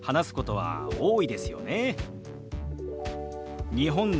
はい。